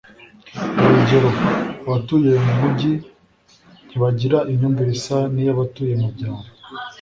urugero abatuye mu mijyi ntibagira imyumvire isa n'iy'abatuye mu byaro